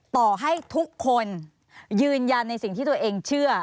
ต่อให้ทุกคนยืนยันในสิ่งที่ตัวเองเชื่อ